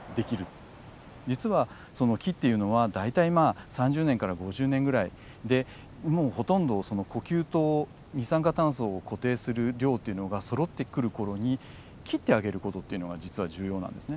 実は木っていうのは大体まあ３０年から５０年ぐらいでもうほとんど呼吸と二酸化炭素を固定する量っていうのがそろってくる頃に切ってあげる事っていうのが実は重要なんですね。